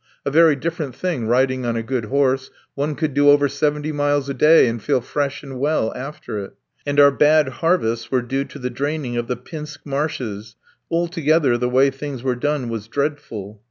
A very different thing riding on a good horse: one could do over seventy miles a day and feel fresh and well after it. And our bad harvests were due to the draining of the Pinsk marshes; altogether, the way things were done was dreadful.